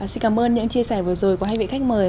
xin cảm ơn những chia sẻ vừa rồi của hai vị khách mời